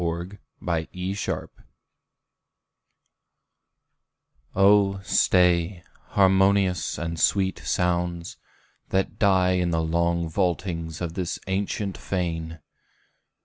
Oh, stay, harmonious and sweet sounds, that die In the long vaultings of this ancient fane!